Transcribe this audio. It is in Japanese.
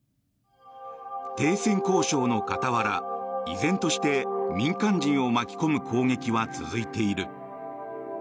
停戦交渉の傍ら依然として民間人を巻き込む攻撃は続いている。